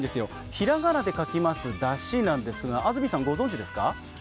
平仮名で書きます、だしなんですが安住さん、ご存じですか？